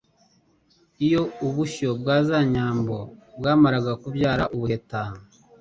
Iyo ubushyo bwa za nyambo bwamaraga kubyara ubuheta